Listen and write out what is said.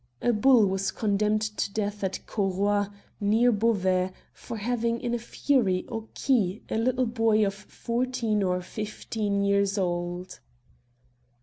A bull was condemned to death at Cauroy, near Beauvais, for having in a fury " occis " a little boy of fourteen or fifteen years old.